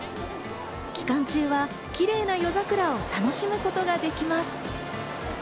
期間中はキレイな夜桜を楽しむことができます。